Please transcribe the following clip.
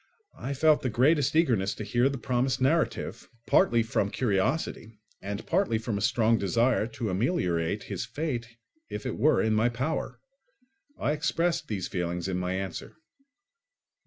I felt the greatest eagerness to hear the promised narrative, partly from curiosity and partly from a strong desire to ameliorate his fate if it were in my power. I expressed these feelings in my answer.